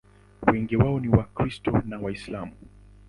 Wengi wao ni Wakristo na Waislamu.